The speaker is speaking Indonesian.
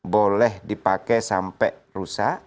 boleh dipakai sampai rusak